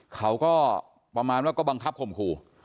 เขาก็ประมาณว่าก็บังคับข่มขู่